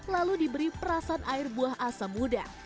lalu diberi perasan air buah asam muda